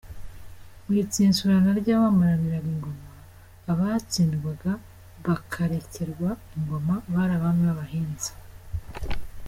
Mu itsitsurana ry’abamaraniraga ingoma, abatsindwaga bakarekerwa ingoma bari Abami b’Abahinza.